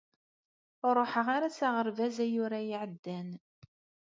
Ur ruḥeɣ ara s aɣerbaz ayyur-ayi iɛeddan.